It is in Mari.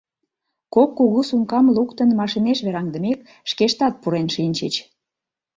Кок кугу сумкам луктын, машинеш вераҥдымек, шкештат пурен шинчыч.